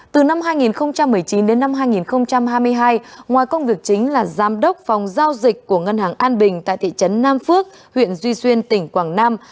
từ năm hai nghìn một mươi chín đến năm hai nghìn hai mươi hai ngoài công việc chính là giám đốc phòng giao dịch của ngân hàng an bình tại thị trấn nam phước huyện duy xuyên tỉnh quảng nam